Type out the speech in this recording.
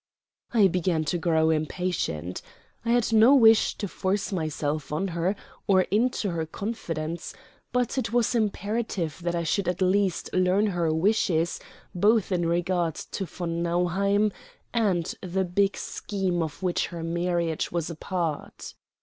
I began to grow impatient. I had no wish to force myself on her or into her confidence, but it was imperative that I should at least learn her wishes both in regard to von Nauheim and the big scheme of which her marriage was a part.